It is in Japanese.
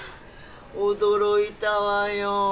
驚いたわよ